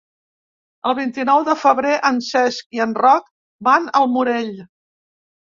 El vint-i-nou de febrer en Cesc i en Roc van al Morell.